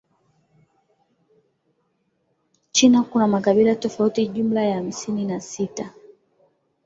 China kuna makabila tufauti jumla ya hamsini na sita